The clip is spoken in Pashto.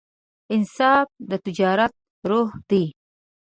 انصاف د تجارت روح دی.